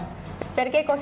setelah mencari juventus